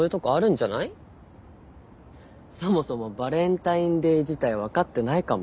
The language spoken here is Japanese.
そもそもバレンタインデー自体分かってないかも。